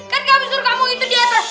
kan kamu suruh kamu itu di atas